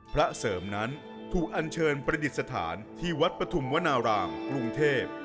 พระเสริมนั้นถูกอันเชิญประดิษฐานที่วัดปฐุมวนารามกรุงเทพ